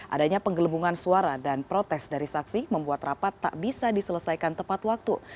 adanya penggelembungan suara dan protes dari saksi membuat rapat tak bisa diselesaikan tepat waktu